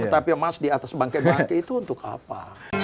tetapi emas di atas bangke bangkit itu untuk apa